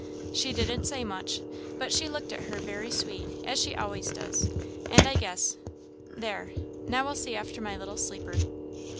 She didn't say much, but she looked at her very sweet, as she always does, and I guess, there now I'll see after my little sleeper."